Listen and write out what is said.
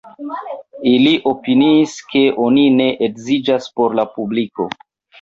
Ili opiniis, ke oni ne edziĝas por la publiko.